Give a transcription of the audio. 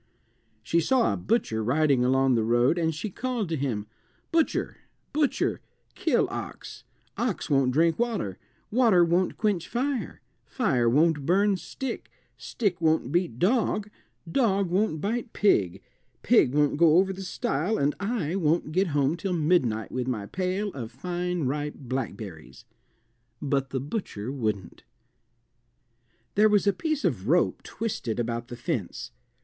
She saw a butcher riding along the road, and she called to him "Butcher, butcher, kill ox; ox won't drink water, water won't quench fire, fire won't burn stick, stick won't beat dog, dog won't bite pig, pig won't go over the stile, and I won't get home till midnight with my pail of fine ripe blackberries." But the butcher wouldn't. There was a piece of rope twisted about the fence.